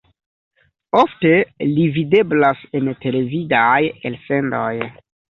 Ofte li videblas en televidaj elsendoj.